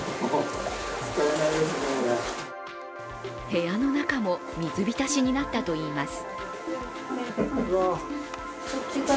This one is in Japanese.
部屋の中も水浸しになったといいます。